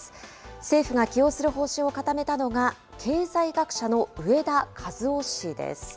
政府が起用する方針を固めたのが、経済学者の植田和男氏です。